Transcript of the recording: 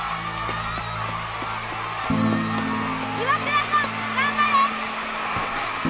岩倉さん頑張れ！